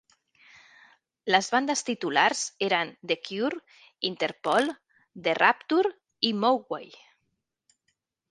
Les bandes titulars eren The Cure, Interpol, The Rapture i Mogwai.